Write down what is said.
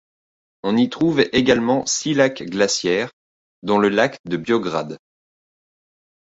On y trouve également six lacs glaciaires dont le lac de Biograd.